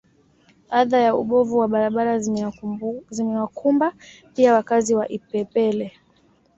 Adha ya ubovu wa barabara zimewakumba pia wakazi wa Ipepele